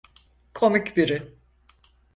Komik biri.